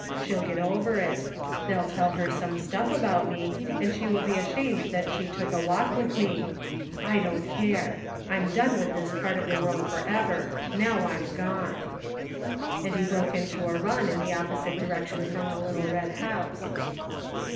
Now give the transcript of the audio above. She'll get over it ; they'll tell her some stuff about me ; and she will be ashamed that she took a walk with me. I don't care. I'm done with this part of the world forever; now I'm gone." And he broke 30 IN SEARCH OF HOME. into a run in the opposite direction from the little red house.